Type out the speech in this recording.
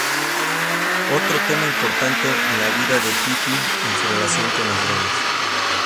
Otro tema importante en la vida de Pity es su relación con las drogas.